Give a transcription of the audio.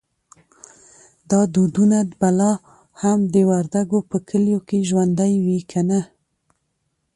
دا دودونه به لا هم د وردګو په کلیو کې ژوندی وي که نه؟